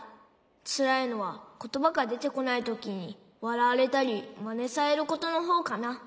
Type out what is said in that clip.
つらいのはことばがでてこないときにわらわれたりマネされることのほうかな。